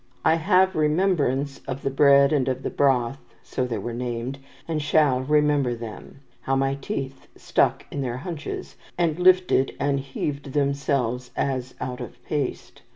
"I have remembrance of the bread and of the broth, so they were named, and shall remember them; how my teeth stuck in your hunches, and lifted and heaved themselves as out of paste.